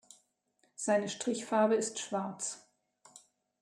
Seine Strichfarbe ist schwarz.